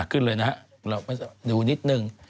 ขึ้นเลยนะฮะเราก็ดูนิดนึง